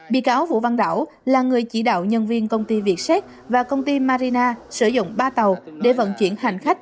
bị cáo vũ văn đảo là người chỉ đạo nhân viên công ty việt xét và công ty marina sử dụng ba tàu để vận chuyển hành khách